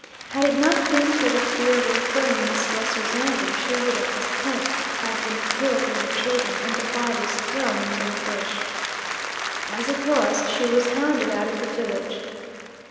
Had it not been for the fear of incurring Miss Slessor's anger, she would, at this point, have been killed with her children, and the bodies thrown into the bush. As it was, she was hounded out of the village.